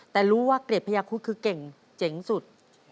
แต่รู้ว่าเกรดพญาคุดคือเก่งเจ๋งสุด